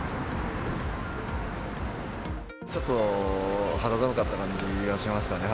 ちょっと肌寒かった感じがしますかね。